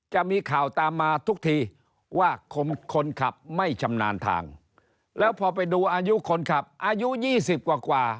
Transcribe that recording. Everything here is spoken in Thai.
จะมีข่าวตามมาทุกทีว่าคนขับไม่ชำนาญทางแล้วพอไปดูอายุคนขับอายุ๒๐กว่า